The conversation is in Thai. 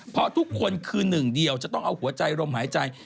เพราะทุกคนคือหนึ่งเดียวจะต้องเอาหัวใจลมหายใจ